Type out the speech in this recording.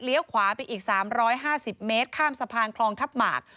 ขวาไปอีก๓๕๐เมตรข้ามสะพานคลองทัพหมาก